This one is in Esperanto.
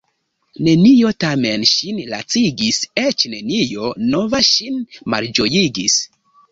Nenio tamen ŝin lacigis, eĉ nenio nova ŝin malĝojigis.